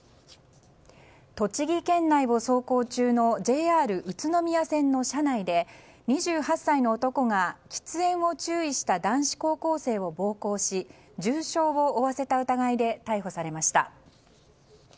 栃木県内を走行中のＪＲ宇都宮線の車内で２８歳の男が喫煙を注意した男子高校生を暴行し重傷を負わせた疑いで逮捕されました。